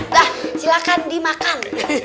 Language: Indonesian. ya silakan dimakan